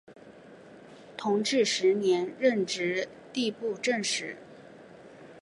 同治十年任直隶布政使。